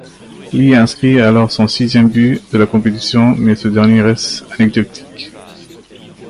Li inscrit alors son sixième but de la compétition, mais ce dernier reste anecdotique.